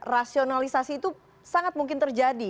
rasionalisasi itu sangat mungkin terjadi